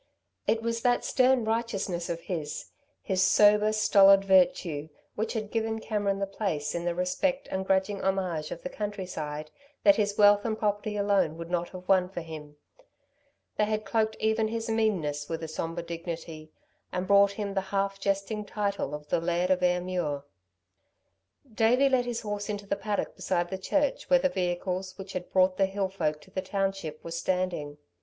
It was that stern righteousness of his, his sober, stolid virtue, which had given Cameron the place in the respect and grudging homage of the countryside that his wealth and property alone would not have won for him; they had cloaked even his meanness with a sombre dignity and brought him the half jesting title of the Laird of Ayrmuir. Davey led his horse into the paddock beside the church where the vehicles which had brought the hill folk to the township were standing.